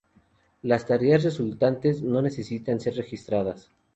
Las tareas resultantes no necesitan ser registradas.